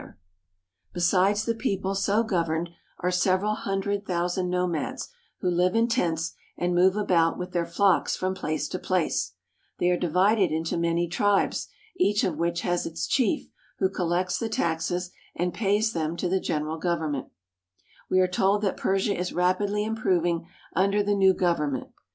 i?*^ ^^ t' r. < ;i ■feN»^ ;'l>i< fi^m^sm .1* Mm Shah's Palace, Teheran. Besides the people so governed, are several hundred thousand nomads who live in tents and move about with their flocks from place to place. They are divided into many tribes, each of which has its chief who collects the taxes and pays them to the general government. We are told that Persia is rapidly improving under the new government.